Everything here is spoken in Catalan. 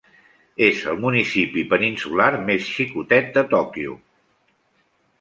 És el municipi peninsular més xicotet de Tòquio.